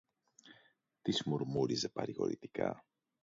της μουρμούριζε παρηγορητικά